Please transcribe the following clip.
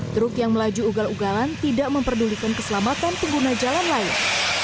truk yang melaju ugal ugalan tidak memperdulikan keselamatan pengguna jalan lain